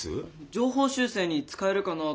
情報修正に使えるかなと思って。